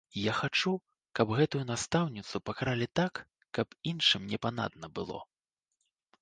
Я хачу, каб гэтую настаўніцу пакаралі так, каб іншым непанадна было.